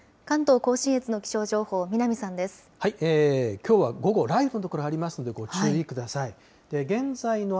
関東甲信越の気象情報、南さきょうは午後、雷雨の所がありますのでご注意ください。